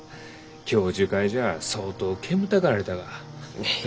教授会じゃ相当煙たがられたが。